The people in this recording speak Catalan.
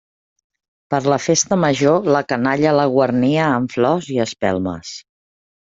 Per la Festa Major la canalla la guarnia amb flors i espelmes.